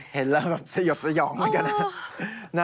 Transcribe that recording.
เห็นแล้วแบบสยดสยองเหมือนกันนะ